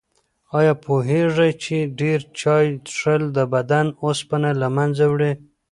آیا پوهېږئ چې ډېر چای څښل د بدن اوسپنه له منځه وړي؟